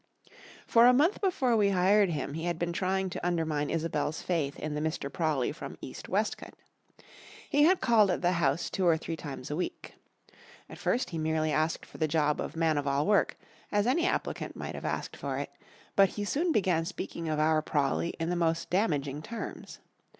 For a month before we hired him he had been trying to undermine Isobel's faith in the Mr. Prawley from East Westcote. He had called at the house two or three times a week. At first he merely asked for the job of man of all work, as any applicant might have asked for it, but he soon began speaking of our Prawley in the most damaging terms.